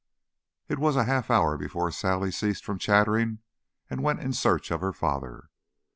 It was a half hour before Sally ceased from chattering and went in search of her father.